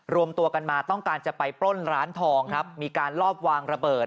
รวมตัวกันมาต้องการจะไปปล้นร้านทองครับมีการลอบวางระเบิด